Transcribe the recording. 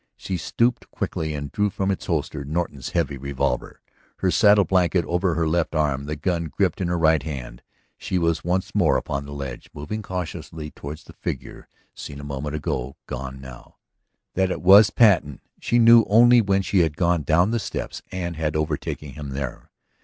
She stooped quickly and drew from its holster Norton's heavy revolver. Her saddle blanket over her left arm, the gun gripped in her right hand, she was once more upon the ledge, moving cautiously toward the figure seen a moment ago, gone now. That it was Patten she knew only when she had gone down the steps and had overtaken him there.